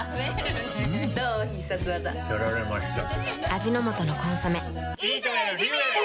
味の素の「コンソメ」